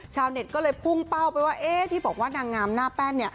ชาวเน็ตก็เลยพุ่งเป้าไปว่าที่บอกว่านางงามหน้าแป้น